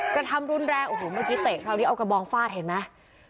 กระทำรุนแรงโอ้โหเมื่อกี้เตะคราวนี้เอากระบองฟาดเห็นไหม